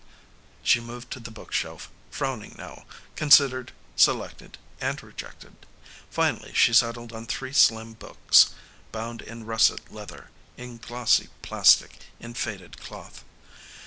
She moved to the bookshelf, frowning now, considered, selected and rejected. Finally she settled on three slim books bound in russet leather, in glossy plastic, in faded cloth.